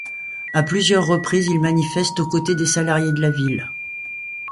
À plusieurs reprises, il manifeste aux côtés des salariés de la ville.